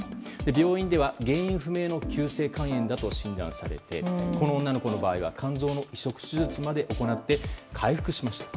病院では原因不明の急性肝炎だと診断されてこの女の子の場合は肝臓の移植手術まで行って回復しました。